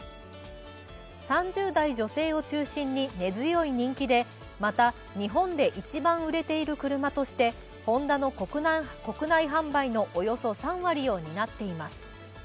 ３０代女性を中心に根強い人気で、また、日本で一番売れている車としてホンダの国内販売のおよそ３割を担っています。